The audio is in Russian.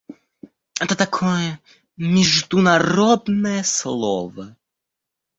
– Это такое международное слово.